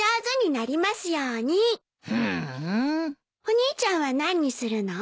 お兄ちゃんは何にするの？